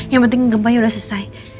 yang penting gempanya sudah selesai